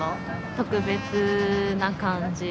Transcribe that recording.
特別な感じ。